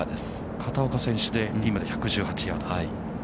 ◆片岡選手で、ピンまで１１８ヤード。